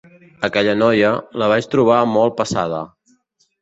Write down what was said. Aquella noia, la vaig trobar molt passada.